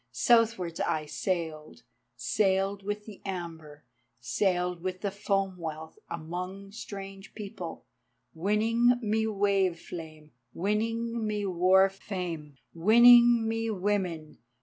Southwards I sailed, Sailed with the amber, Sailed with the foam wealth. Among strange peoples, Winning me wave flame,[*] Winning me war fame, Winning me women.